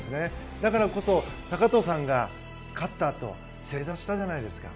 だからこそ高藤さんが勝ったあと正座したじゃないですか。